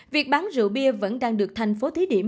việc bán rượu bia vẫn đang được tp hcm